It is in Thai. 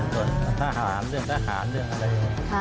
พนักทหารเรื่องอะไร